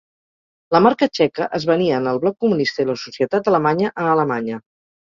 La marca txeca es venia en el bloc comunista i la societat alemanya a Alemanya.